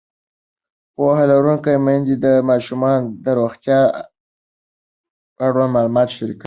پوهه لرونکې میندې د ماشومانو د روغتیا اړوند معلومات شریکوي.